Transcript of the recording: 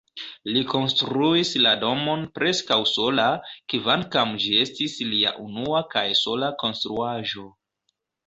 Li konstruis la domon preskaŭ sola, kvankam ĝi estis lia unua kaj sola konstruaĵo.